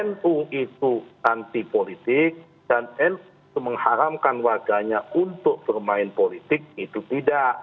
nu itu anti politik dan nu itu mengharamkan warganya untuk bermain politik itu tidak